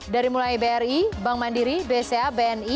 dari mulai bri bank mandiri bca bni bank cmbi dan juga bank bank indonesia